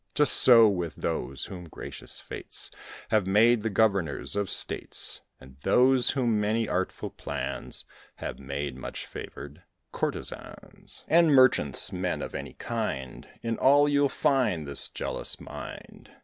Just so with those whom gracious fates Have made the governors of states; And those whom many artful plans Have made much favoured courtesans; And merchants; men of any kind; In all you'll find this jealous mind.